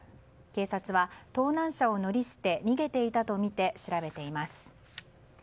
警察は盗難車を乗り捨て逃げていたとみて調べています。